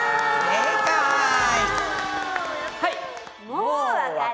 はい！